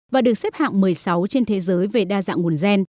và được xếp hạng một mươi sáu trên thế giới về đa dạng nguồn gen